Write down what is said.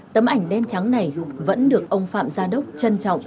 tấm ảnh đen trắng này vẫn được ông phạm gia đốc trân trọng